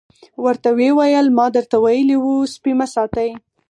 ورته ویې ویل ما درته ویلي وو سپي مه ساتئ.